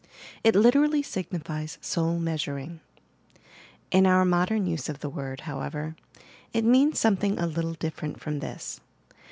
It literally signifies 'Soul Measuring,' In our modem use of the word, however, it means something a little different from this.